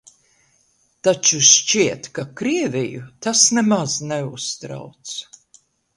Taču šķiet, ka Krieviju tas nemaz neuztrauc.